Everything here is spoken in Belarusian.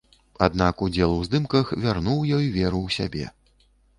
Аднак удзел у здымках вярнуў ёй веру ў сябе.